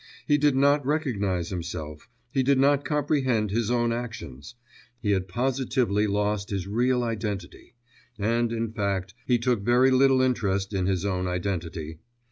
He did not recognise himself, he did not comprehend his own actions, he had positively lost his real identity, and, in fact, he took very little interest in his own identity.